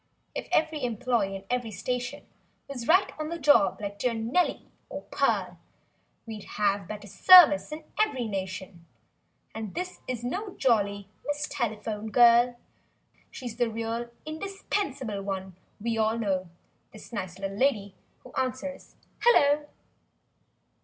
If every employee in every station. Was right on the job like dear "Nellie" or "Pearl"— We'd have better "service" in every nation— And this is no jolly—"Miss Telephone Girl." She's the real indispensable one we all know— This nice little lady who answers—"Hello!"